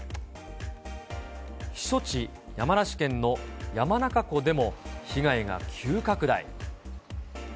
避暑地、山梨県の山中湖でも被害が急拡大。